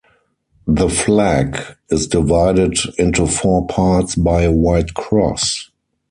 The flag is divided into four parts by a white cross.